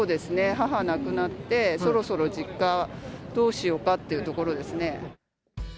母亡くなって、そろそろ実家、どうしようかというところですね。